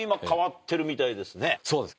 そうです